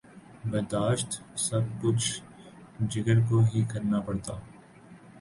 برداشت سب کچھ جگر کو ہی کرنا پڑتا۔